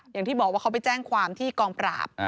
อย่างที่บอกว่าเขาไปแจ้งความที่กองปราบ